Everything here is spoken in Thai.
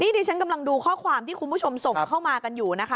ดิฉันกำลังดูข้อความที่คุณผู้ชมส่งเข้ามากันอยู่นะคะ